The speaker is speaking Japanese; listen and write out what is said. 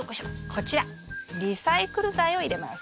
こちらリサイクル材を入れます。